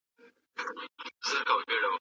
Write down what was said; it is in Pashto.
له لېمو څخه بېل سوي تر ګرېوانه زندګي ده